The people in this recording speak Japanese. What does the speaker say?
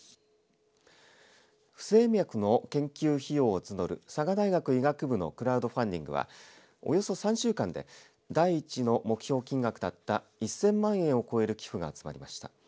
不整脈の研究費用を募る佐賀大学医学部のクラウドファンディングはおよそ３週間で第１の目標金額だった１０００万円を超える寄付が集まりました。